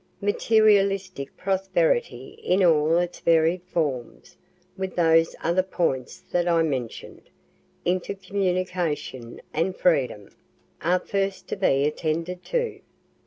Materialistic prosperity in all its varied forms, with those other points that I mentioned, intercommunication and freedom, are first to be attended to.